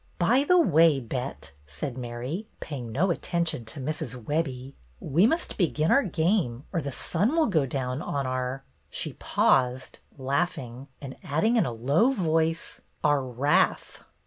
"By the way. Bet," said Mary, paying no attention to Mrs. Webbie, "we must begin our game or the sun will go down on our" — she paused, laughing, and adding in a low voice, — "our wrath."